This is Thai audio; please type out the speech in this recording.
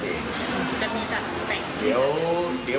จริงผู้หลังผู้ใหญ่ก็รู้จักกันหมดแล้ว